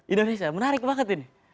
indonesia menarik banget ini